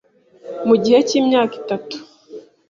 mu gihe cy'imyaka itatu